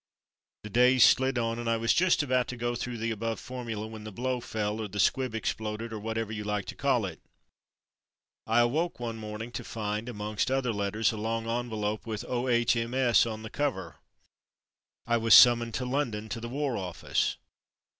The days slid on and I was just about to go through the above formula when the blow fell or the squib exploded — or whatever you like to call it. I awoke one morning to find, 142 Summoned to War Office 143 amongst other letters, a long envelope with O.H.M.S. on the cover. I was summoned to London to the War Office!